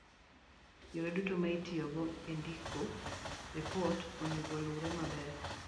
yore duto ma itiyogo e ndiko ripot onego lure maber